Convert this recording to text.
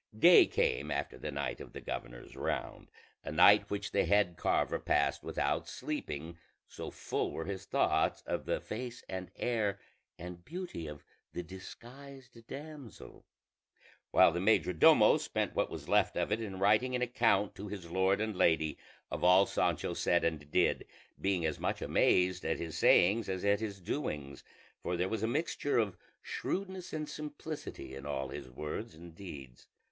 Day came after the night of the governor's round: a night which the head carver passed without sleeping, so full were his thoughts of the face and air and beauty of the disguised damsel, while the major domo spent what was left of it in writing an account to his lord and lady of all Sancho said and did, being as much amazed at his sayings as at his doings; for there was a mixture of shrewdness and simplicity in all his words and deeds.